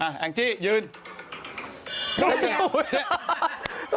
ไหนสิ